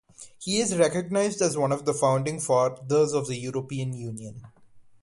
He is recognised as one of the founding fathers of the European Union.